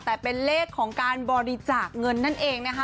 แต่เป็นเลขของการบริจาคเงินนั่นเองนะคะ